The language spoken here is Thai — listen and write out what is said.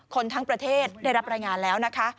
ทั้งประเทศได้รับรายงานแล้วนะคะ